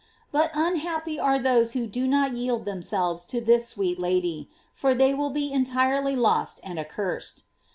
But unhappy are those who do not yield themselves to this sweet Lady! for they will be entirely lost and accursed!